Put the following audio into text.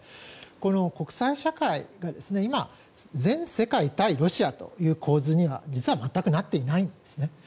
この国際社会が今、全世界対ロシアという構図には実は全くなってないんです。